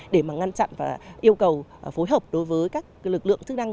để mà ngăn chặn và yêu cầu phối hợp đối với các lực lượng chức năng